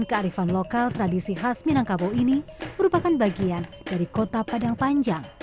kearifan lokal tradisi khas minangkabau ini merupakan bagian dari kota padang panjang